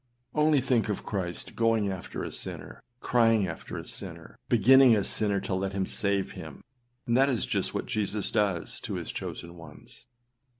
com Only think of Christ going after a sinner, crying after a sinner, beginning a sinner to let him save him; and that is just what Jesus does to his chosen ones.